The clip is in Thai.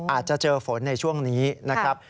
อาจจะเจอฝนในช่วงนี้นะครับ